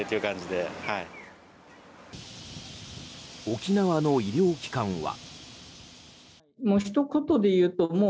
沖縄の医療機関は。